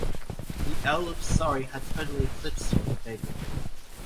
The Earl of Surrey had totally eclipsed him in favor.